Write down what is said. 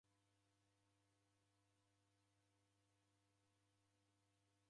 Denekwa zawadi